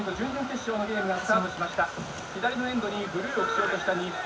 左のエンドにブルーを基調とした日本。